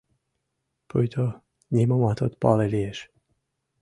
Пуйто нимомат от пале лиеш.